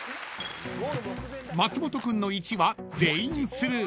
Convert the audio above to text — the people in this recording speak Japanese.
［松本君の１は全員スルー］